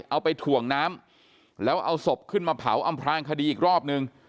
เอาไปถ่วงน้ำแล้วเอาศพขึ้นมาเผาอำพลางคดีอีกรอบนึง